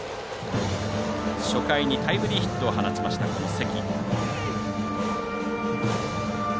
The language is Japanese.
初回にタイムリーヒットを放ちました、関。